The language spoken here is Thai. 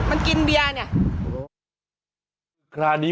มันกินเบียร์เนี่ย